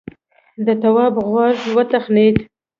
د تواب غوږ وتخڼېد.